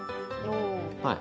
はい。